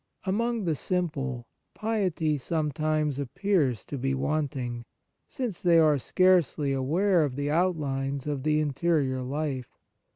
Among the simple, piety sometimes appears to be wanting, since they are scarcely aware of the outlines of the interior life.